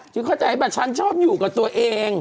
เข้าใจป่ะฉันชอบอยู่กับตัวเอง